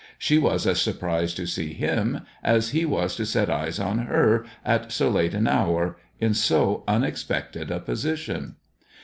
She was as surprised to see him as he was to set eyes on her at so late an hour, in so unexpected a position.